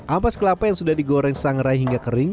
ampas kelapa yang sudah digoreng sangrai hingga kering